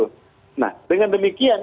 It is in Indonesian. nah dengan demikian